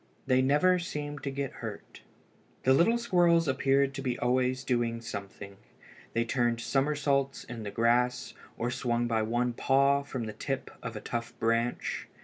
They never seemed to get hurt. The little squirrels appeared to be always doing something. They turned summersaults in the grass, or swung by one paw from the tip of a tough branch.